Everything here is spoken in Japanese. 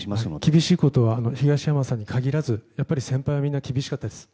厳しくとは東山さんに限らずやっぱり先輩はみんな厳しかったです。